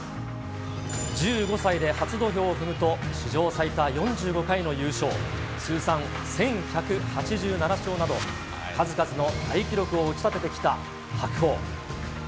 １５歳で初土俵を踏むと、史上最多４５回の優勝、通算１１８７勝など、数々の大記録を打ち立ててきた白鵬。